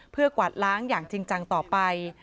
เพื่อกวาดล้างอย่างจริงจังต่อไป